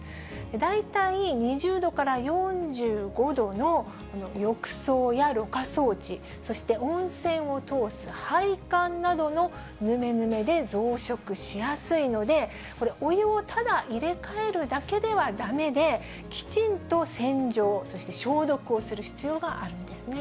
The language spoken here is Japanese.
大体２０度から４５度の浴槽やろ過装置、そして温泉を通す配管などのぬめぬめで増殖しやすいので、お湯をただ入れ替えるだけではだめで、きちんと洗浄、そして消毒をする必要があるんですね。